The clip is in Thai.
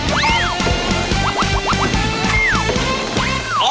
ปะจอ